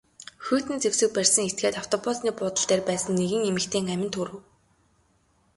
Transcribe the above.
Хүйтэн зэвсэг барьсан этгээд автобусны буудал дээр байсан нэгэн эмэгтэйн аминд хүрэв.